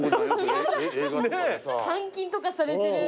監禁とかされてる。